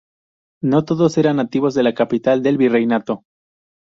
No todos eran nativos de la capital del virreinato.